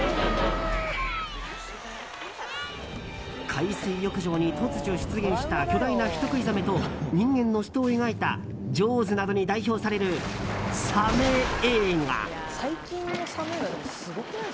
海水浴場に突如出現した巨大な人食いザメと人間の死闘を描いた「ジョーズ」などに代表されるサメ映画。